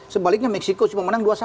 sebaliknya meksiko cuma menang dua satu